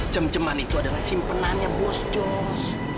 cem cemannya itu adalah simpenannya bos jos